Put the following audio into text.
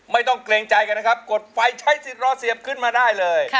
เกรงใจกันนะครับกดไฟใช้สิทธิ์รอเสียบขึ้นมาได้เลย